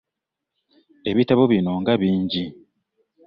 Ebitabo bino nga bingi?